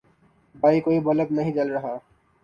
بھائی کوئی بلب نہیں جل رہا